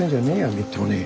みっともねえ。